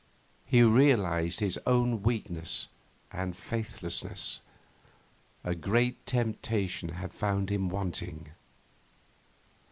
He realised his own weakness and faithlessness. A great temptation had found him wanting....